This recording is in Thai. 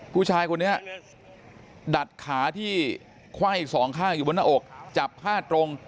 ผู้ชายคนนี้ดัดขาที่ไขว้สองข้างอยู่บนหน้าอกจับผ้าตรง